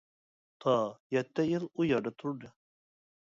تا يەتتە يىل ئۇ يەردە تۇردى.